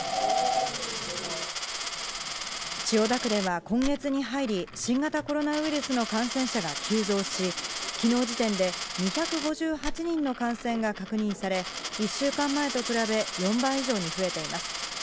千代田区では今月に入り、新型コロナウイルスの感染者が急増し、きのう時点で２５８人の感染が確認され、１週間前と比べ４倍以上に増えています。